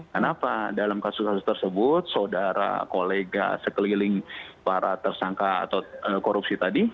kenapa dalam kasus kasus tersebut saudara kolega sekeliling para tersangka atau korupsi tadi